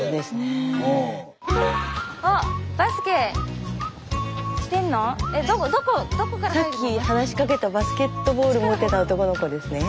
スタジオさっき話しかけたバスケットボールを持ってた男の子ですね。